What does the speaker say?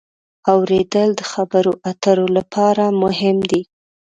اورېدل د خبرو اترو لپاره مهم دی.